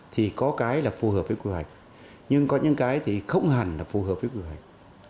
thì có cái là phù hợp với quy hoạch nhưng có những cái thì không hẳn là phù hợp với quy hoạch